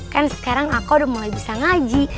kan sekarang aku udah mulai bisa ngaji